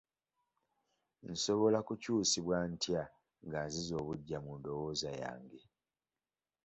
Nsobola kukyusibwa ntya nga nziza obuggya mu ndowooza yange?